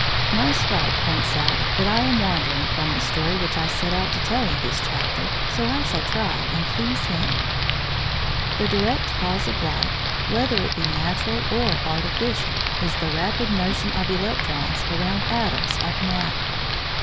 My scribe points out that I am wandering from the story which I set out to tell in this chapter, so I shall try and please him. The direct cause of light, whether it be natural or artificial, is the rapid motion of electrons around atoms of matter.